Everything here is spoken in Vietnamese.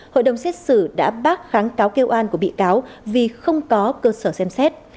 hội đồng xét xử đã bác kháng cáo kêu an của bị cáo vì không có cơ sở xem xét